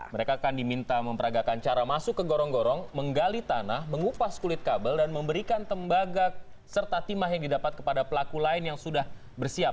mereka akan diminta memperagakan cara masuk ke gorong gorong menggali tanah mengupas kulit kabel dan memberikan tembaga serta timah yang didapat kepada pelaku lain yang sudah bersiap